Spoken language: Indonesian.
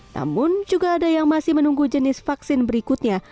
namun juga ada yang masih menunggu jenis vaksin berikutnya